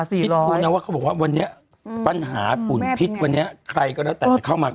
ว่าเราก็บอกว่าวันนี้ปัญหาฝุ่นพิษใครตะไปเข้ามา